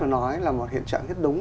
nói là một hiện trạng rất đúng